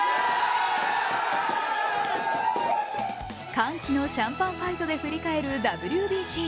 歓喜のシャンパンファイトで振り返るＷＢＣ。